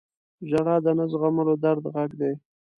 • ژړا د نه زغملو درد غږ دی.